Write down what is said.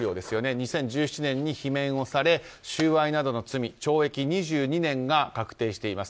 ２０１７年に罷免をされ収賄などの罪懲役２２年が確定しています。